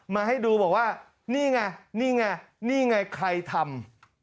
มาให้ดูบอกว่านี่ไงนี่ไงนี่ไงใครทำ